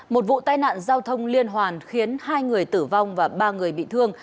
một vụ tai nạn giao thông liên hoàn khiến hai người tử vong và ba người bị thương